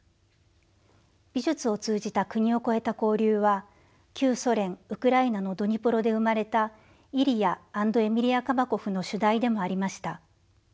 美術を通じた国を越えた交流は旧ソ連ウクライナのドニプロで生まれたイリヤ＆エミリア・カバコフの主題でもありました。